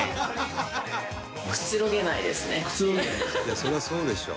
「そりゃそうでしょ」